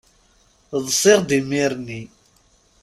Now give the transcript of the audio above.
Ḍsiɣ-d imir-nni.